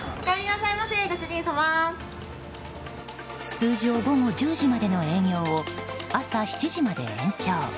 通常午後１０時までの営業を朝７時まで延長。